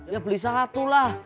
ya beli satu lah